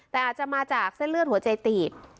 แต่อาจจะมาจากเส้นเลือดหัวใจตีบ